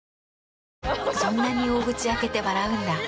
そんなに大口開けて笑うんだ。